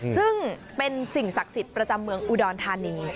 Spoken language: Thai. ซึ่งเป็นสิ่งศักดิ์สิทธิ์ประจำเมืองอุดรธานี